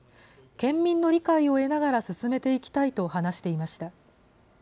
県民の理解を得ながら進めていきたいと話していました。